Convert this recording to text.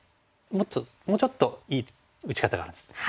もうちょっといい打ち方があるんです。